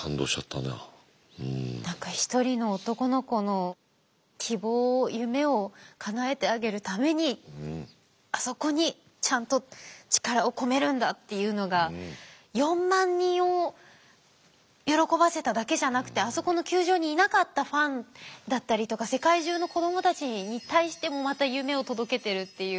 何か一人の男の子の希望を夢をかなえてあげるためにあそこにちゃんと力を込めるんだっていうのが４万人を喜ばせただけじゃなくてあそこの球場にいなかったファンだったりとか世界中の子どもたちに対してもまた夢を届けてるっていう。